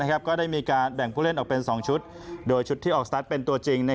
ก็ได้มีการแบ่งผู้เล่นออกเป็น๒ชุดโดยชุดที่ออกสตาร์ทเป็นตัวจริง